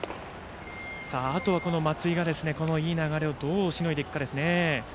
あとは、この松井がいい流れをどうしのいでいくかですね。